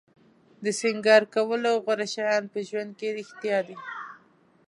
د سینګار کولو غوره شیان په ژوند کې رښتیا دي.